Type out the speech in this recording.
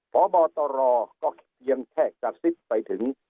พบตรก็เพียงแค่กระซิบไปถึง